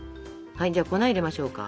じゃあ粉入れましょうか。